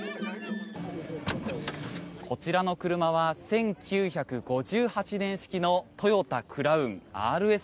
こちらの車は１９５８年式のトヨタ・クラウンＲＳＤ。